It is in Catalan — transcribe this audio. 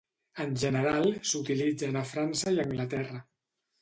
En general s'utilitzen a França i Anglaterra.